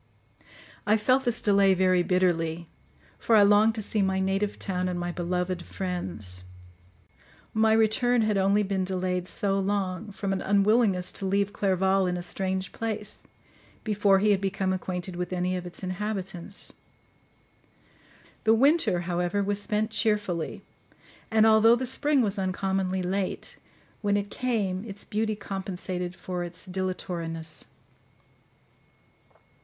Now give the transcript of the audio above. I felt this delay very bitterly; for I longed to see my native town and my beloved friends. My return had only been delayed so long, from an unwillingness to leave Clerval in a strange place, before he had become acquainted with any of its inhabitants. The winter, however, was spent cheerfully; and although the spring was uncommonly late, when it came its beauty compensated for its dilatoriness.